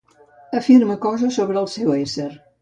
Afirma coses sobre el seu ésser.